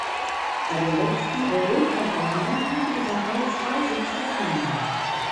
Bei den letzten Europawahlen hatte die Partei zwei Sitze gewonnen.